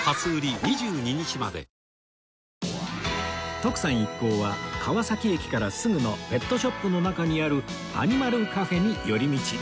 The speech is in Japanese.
徳さん一行は川崎駅からすぐのペットショップの中にあるアニマルカフェに寄り道